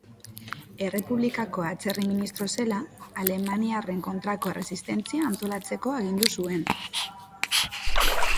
Errepublikako Atzerri ministro zela, alemaniarren kontrako erresistentzia antolatzeko agindu zuen.